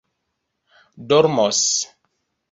dormos